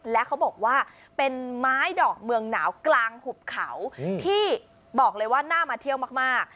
และเขาบอกว่าเป็นไม้ดอกเมืองหนาวกลางหุบเขาที่บอกเลยว่าน่ามาเที่ยวมาก